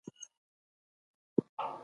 برېښنا پريزې د ماشوم نه پټې کړئ.